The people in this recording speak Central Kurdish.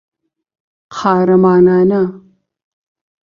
قارەمانە.